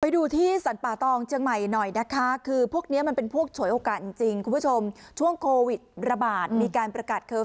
ดูที่สรรป่าตองเชียงใหม่หน่อยนะคะคือพวกนี้มันเป็นพวกฉวยโอกาสจริงคุณผู้ชมช่วงโควิดระบาดมีการประกาศเคอร์ฟ